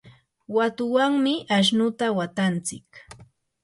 watuwanmi ashnuta watantsik.